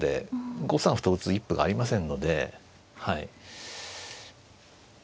５三歩と打つ一歩がありませんので。